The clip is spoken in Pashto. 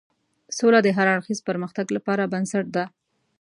سوله د هر اړخیز پرمختګ لپاره بنسټ ده.